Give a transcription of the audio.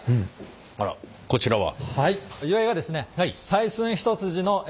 あらこちらは？